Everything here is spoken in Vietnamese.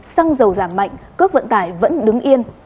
xăng dầu giảm mạnh cước vận tải vẫn đứng yên